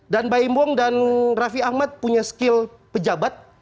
dan mbak im wong dan raffi ahmad punya skill pejabat